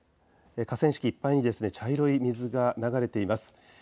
河川敷いっぱいに茶色い水が流れています。